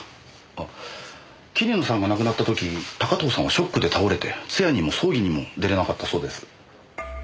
あっ桐野さんが亡くなった時高塔さんはショックで倒れて通夜にも葬儀にも出られなかったそうです。